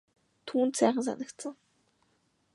Түүнд сайхан санагдсан.